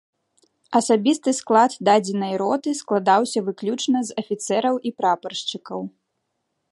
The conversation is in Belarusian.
Асабісты склад дадзенай роты складаўся выключна з афіцэраў і прапаршчыкаў.